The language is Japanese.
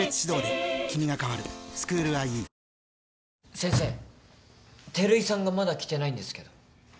先生照井さんがまだ来てないんですけど。